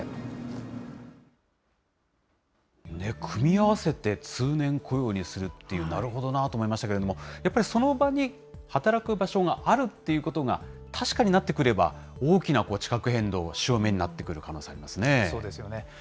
組み合わせて通年雇用にするっていう、なるほどなと思いましたけれども、やっぱりその場に働く場所があるっていうことが確かになってくれば、大きな地殻変動、潮目になってくる可能性がありますよね。